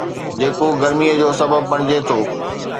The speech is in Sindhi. جيڪو گرميءَ جو سبب بڻجي ٿو